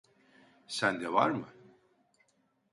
Sen de var mı?